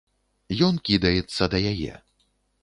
Ён кідаецца да яе.